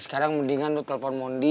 sekarang mendingan lu telpon mondi